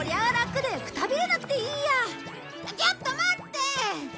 ちょっと待って！